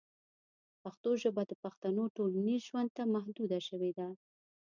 پښتو ژبه د پښتنو ټولنیز ژوند ته محدوده شوې ده.